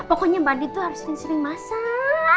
pokoknya mbak andin tuh harus sering sering masak